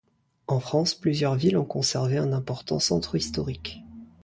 En France, plusieurs villes ont conservé un important centre historique.